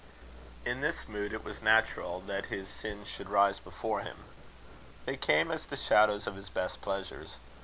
In this mood, it was natural that his sins should rise before him. They came as the shadows of his best pleasures.